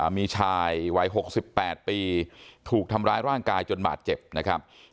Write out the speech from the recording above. มีชายวัย๖๘ปีถูกทำร้ายร่างกายจนบาดเจ็บนะครับ